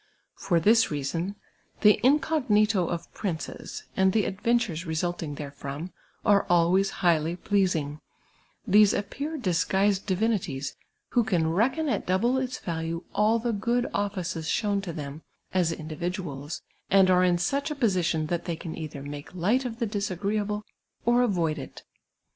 For this reason the incognito of ])rinces, and the adventures resulting therefrom, are always highly pleas ing : tlu'sr appear disguised divinities, who can reckon at double its value all the good t)tHces shown to them as indivi duals, and are in such a position that they can either make light of the disagreeable or avoid it.